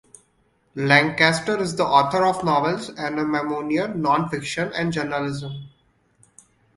Lanchester is the author of novels, a memoir, non-fiction and journalism.